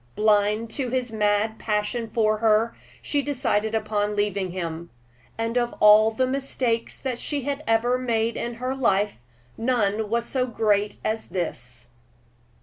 Blind to his mad passion for her, she decided upon leaving him; and of all the mistakes that she ever made in her life, none was so great as this.